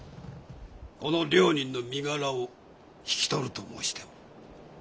この両人の身柄を引き取ると申しておる。